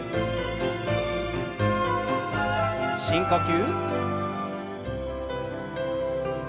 深呼吸。